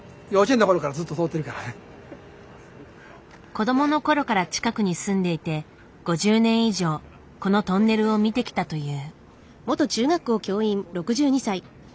子どものころから近くに住んでいて５０年以上このトンネルを見てきたという。